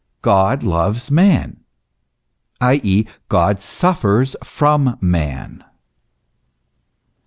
God loves man i.e. God suffers from man.